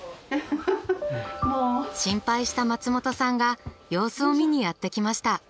心配した松本さんが様子を見にやって来ました。